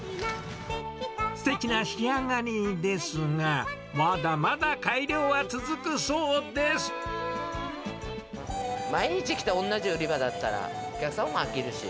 すてきな仕上がりですが、毎日来て、同じ売り場だったら、お客さんも飽きるし。